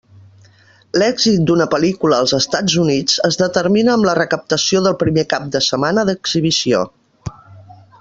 L'èxit d'una pel·lícula als Estats Units es determina amb la recaptació del primer cap de setmana d'exhibició.